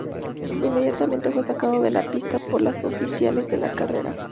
Inmediatamente fue sacado de la pista por los oficiales de la carrera.